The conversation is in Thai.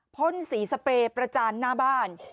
พ่นสีสเปรย์ประจานหน้าบ้าน